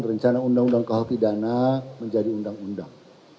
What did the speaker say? rencana undang undang kawal pidana menjadi undang undang